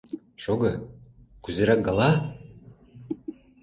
Шого, кузерак гала?..